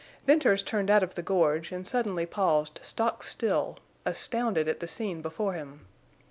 Venters turned out of the gorge, and suddenly paused stock still, astounded at the scene before him.